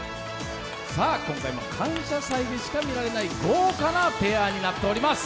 今回も「感謝祭」でしか見られない豪華なペアになっております。